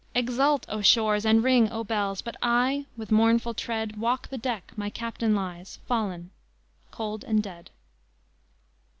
Exult, O shores, and ring, O bells! But I, with mournful tread, Walk the deck, my captain lies Fallen, cold and dead."